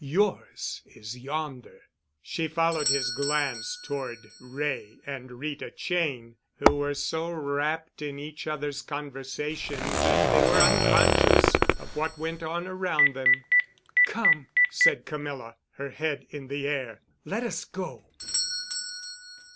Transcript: "Yours is yonder." She followed his glance toward Wray and Rita Cheyne, who were so wrapped in each other's conversation that they were unconscious of what went on around them. "Come," said Camilla, her head in the air, "let us go."